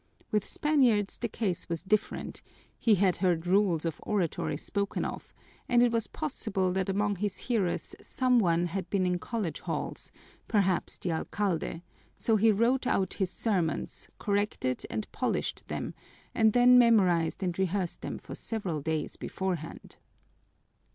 With Spaniards the case was different; he had heard rules of oratory spoken of, and it was possible that among his hearers some one had been in college halls, perhaps the alcalde, so he wrote out his sermons, corrected and polished them, and then memorized and rehearsed them for several days beforehand.